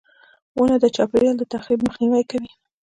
• ونه د چاپېریال د تخریب مخنیوی کوي.